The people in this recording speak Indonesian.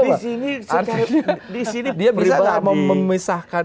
di sini dia bisa memisahkan